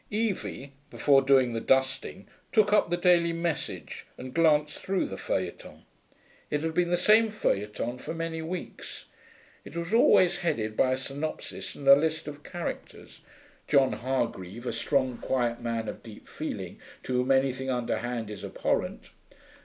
Evie, before doing the dusting, took up the Daily Message and glanced through the feuilleton. It had been the same feuilleton for many weeks. It was always headed by a synopsis and a list of characters: 'John Hargreave, a strong, quiet man of deep feeling, to whom anything underhand is abhorrent.